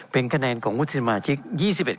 เป็นของสมาชิกสภาพภูมิแทนรัฐรนดร